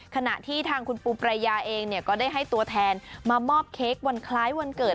ขณะที่ทางคุณปูปรายาเองก็ได้ให้ตัวแทนมามอบเค้กวันคล้ายวันเกิด